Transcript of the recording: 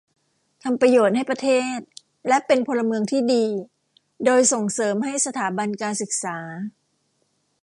ทำประโยชน์ให้ประเทศ และเป็นพลเมืองที่ดี โดยส่งเสริมให้สถาบันการศึกษา